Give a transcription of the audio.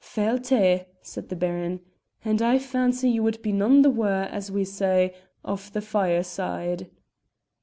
"Failte!" said the Baron, "and I fancy you would be none the waur, as we say, of the fireside."